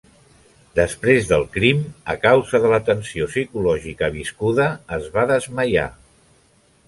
Després del crim, a causa de la tensió psicològica viscuda, es va desmaiar.